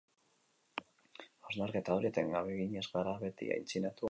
Hausnarketa hori etengabe eginez gara beti aitzinatu ahal izan.